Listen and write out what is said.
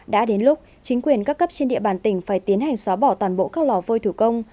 đã đến lúc chính quyền các cấp trên địa bàn tỉnh phải tiến hành xóa bỏ toàn bộ các lò vôi thủ công